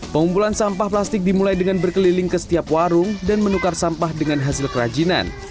pengumpulan sampah plastik dimulai dengan berkeliling ke setiap warung dan menukar sampah dengan hasil kerajinan